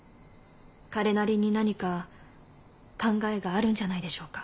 彼なりに何か考えがあるんじゃないでしょうか。